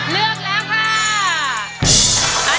เลือกแล้วค่ะ